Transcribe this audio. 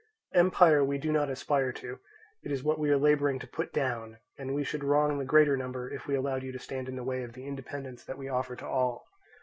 Empire we do not aspire to: it is what we are labouring to put down; and we should wrong the greater number if we allowed you to stand in the way of the independence that we offer to all.